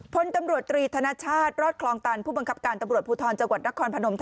พลตำรวจตรีธนชาติรอดคลองตันผู้บังคับการตำรวจภูทรจังหวัดนครพนม